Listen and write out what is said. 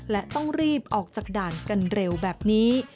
และต้องรีบออกจากด่านกันเร็วแบบนี้